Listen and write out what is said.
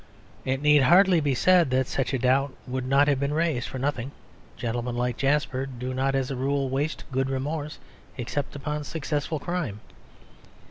It need hardly be said that such a doubt would not have been raised for nothing; gentlemen like Jasper do not as a rule waste good remorse except upon successful crime.